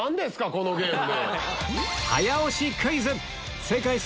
このゲーム。